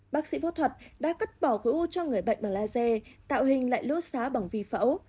bác sĩ phẫu thuật đã cắt bỏ khối u cho người bệnh bằng laser tạo hình lại lúa xá bằng vi phẫu